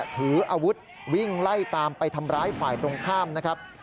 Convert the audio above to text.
ถืออาวุธวิ่งไล่ตามไปทำร้ายฝ่ายตรงข้ามนะครับ